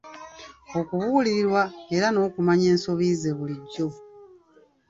Okubuulirirwa era n'okumanya ensobi ze bulijjo.